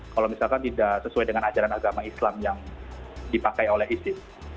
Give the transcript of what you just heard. kalau misalkan tidak sesuai dengan ajaran agama islam yang dipakai oleh isis